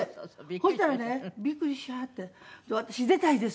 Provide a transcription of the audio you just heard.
そしたらねびっくりしはって「私出たいです」